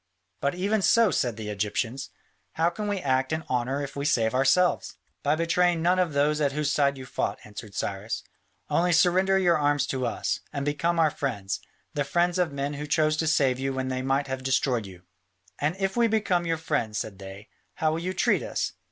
"But even so," said the Egyptians, "how can we act in honour if we save ourselves?" "By betraying none of those at whose side you fought," answered Cyrus: "only surrender your arms to us, and become our friends, the friends of men who chose to save you when they might have destroyed you." "And if we become your friends," said they, "how will you treat us?"